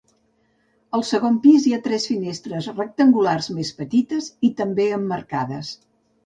Al segon pis hi ha tres finestres rectangulars més petites i també emmarcades.